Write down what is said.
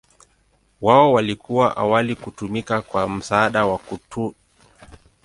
Wao walikuwa awali kutumika kwa msaada wa kituo cha shughuli za nje.